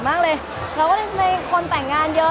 มันเป็นเรื่องน่ารักที่เวลาเจอกันเราต้องแซวอะไรอย่างเงี้ย